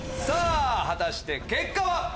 さぁ果たして結果は？